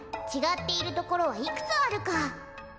ちがっているところはいくつあるか？